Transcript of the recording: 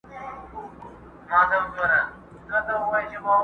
خو د دوی د پاچهۍ نه وه رنګونه!!